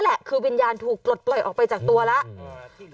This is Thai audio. แหละคือวิญญาณถูกปลดปล่อยออกไปจากตัวแล้ว